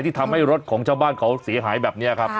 ที่ทำให้รถของชาวบ้านเขาเสียหายแบบนี้ครับ